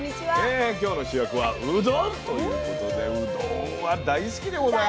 今日の主役は「うどん」ということでうどんは大好きでございますよ。